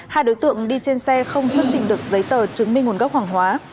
hai đối tượng đi trên xe không xuất trình được giấy tờ chứng minh nguồn gốc hàng hóa